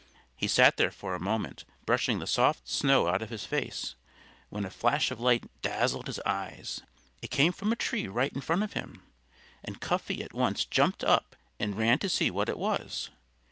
He sat there for a moment, brushing the soft snow out of his face, when a flash of light dazzled his eyes. It came from a tree right in front of him. And Cuffy at once jumped up and ran to see what it was.